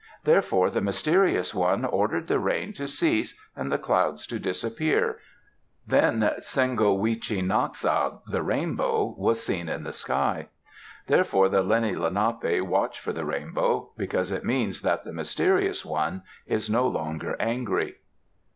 Therefore the Mysterious One ordered the rain to cease and the clouds to disappear. Then Sin go wi chi na xa, the rainbow, was seen in the sky. Therefore the Lenni Lenapi watch for the rainbow, because it means that the Mysterious One is no longer angry.